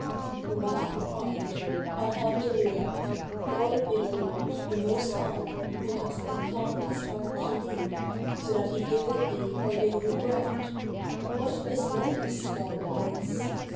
The wife replied, "Alhamdolillah— lauded be the Lord, the Most High, who hath inclined his heart to thee, so that he giveth thee our daily bread! What dislikest thou in this?"